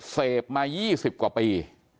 เสพมา๒๐กว่าปี